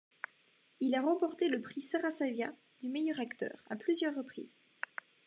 Il a remporté le prix Sarasaviya du meilleur acteur à plusieurs reprises.